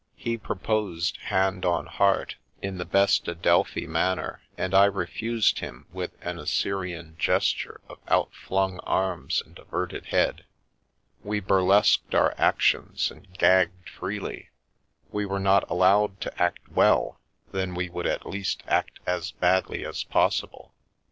He proposed, hand on heart, in the best Adelphi manner, and I refused him with an Assyrian gesture of out flung arms and averted head. We burlesqued our actions and " gagged " freely — we were not allowed to act well, then we would at least act as badly as possible.